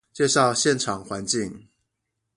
介紹現場環境